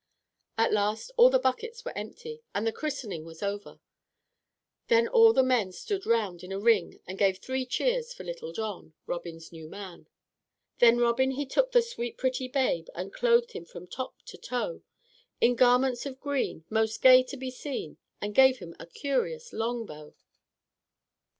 At last all the buckets were empty, and the christening was over. Then all the men stood round in a ring and gave three cheers for Little John, Robin's new man. "Then Robin he took the sweet pretty babe, And clothed him from top to toe In garments of green, most gay to be seen, And gave him a curious longbow."